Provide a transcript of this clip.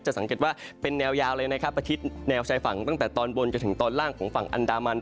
สังเกตว่าเป็นแนวยาวเลยนะครับอาทิตย์แนวชายฝั่งตั้งแต่ตอนบนจนถึงตอนล่างของฝั่งอันดามัน